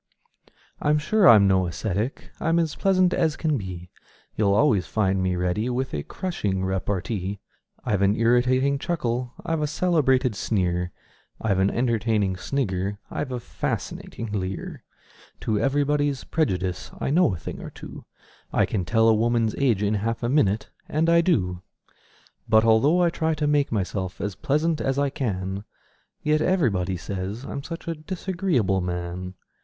I'm sure I'm no ascetic: I'm as pleasant as can be; You'll always find me ready with a crushing repartee; I've an irritating chuckle; I've a celebrated sneer; I've an entertaining snigger; I've a fascinating leer; To everybody's prejudice I know a thing or two; I can tell a woman's age in half a minute and I do But although I try to make myself as pleasant as I can, Yet everybody says I'm such a disagreeable man!